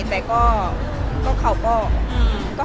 แต่ก็เขาก็